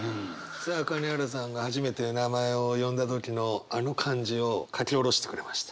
さあ金原さんが初めて名前を呼んだ時のあの感じを書き下ろしてくれました。